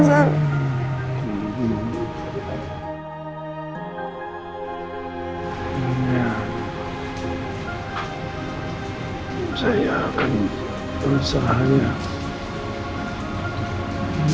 saya akan bersalah rina